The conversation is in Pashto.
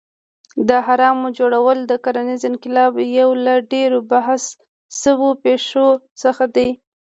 د اهرامو جوړول د کرنیز انقلاب یو له ډېرو بحث شوو پېښو څخه دی.